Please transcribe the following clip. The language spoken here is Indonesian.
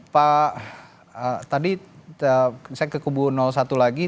pak tadi saya ke kubu satu lagi